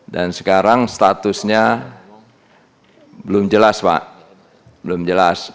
dan sekarang statusnya belum jelas pak belum jelas